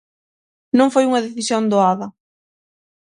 Non foi unha decisión doada.